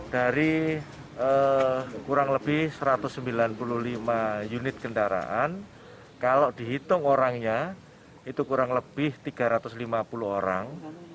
dari kurang lebih satu ratus sembilan puluh lima unit kendaraan kalau dihitung orangnya itu kurang lebih tiga ratus lima puluh orang